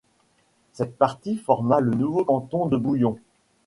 Cette partie forma le nouveau canton de Bouillon.